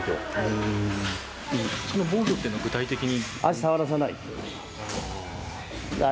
うーんうんその防御っていうのは具体的に？